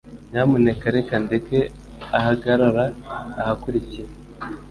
Nyamuneka reka ndeke ahagarara ahakurikira.